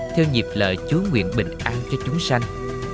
theo nhịp lợi chúa nguyện bình an cho chúng sanh